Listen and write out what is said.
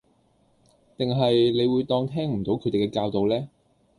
定係你會當聽唔到佢哋嘅教導呢